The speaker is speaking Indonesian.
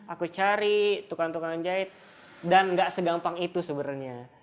aku cari tukang tukang jahit dan gak segampang itu sebenarnya